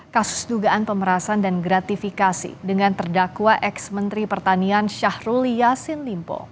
kasus dugaan pemerasan dan gratifikasi dengan terdakwa ex menteri pertanian syahrul yassin limpo